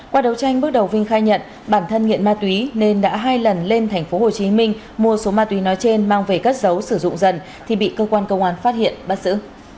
qua đấu tranh bước đầu vinh khai nhận bản thân nghiện ma túy nên đã hai lần lên tp hcm mua số ma túy nói trên mang về cất dấu sử dụng dần thì bị cơ quan công an phát hiện bắt giữ